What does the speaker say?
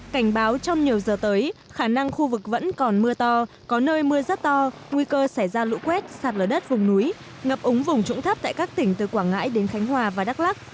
cảnh báo trong nhiều giờ tới khả năng khu vực vẫn còn mưa to có nơi mưa rất to nguy cơ xảy ra lũ quét sạt lở đất vùng núi ngập ống vùng trũng thấp tại các tỉnh từ quảng ngãi đến khánh hòa và đắk lắc